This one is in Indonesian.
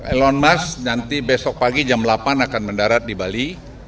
elon musk nanti besok pagi jam delapan akan mendarat di bali